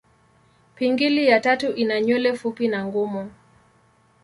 Pingili ya tatu ina nywele fupi na ngumu.